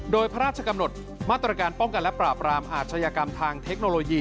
โดยพระราชกำหนดมาตรการป้องกันและปราบรามอาชญากรรมทางเทคโนโลยี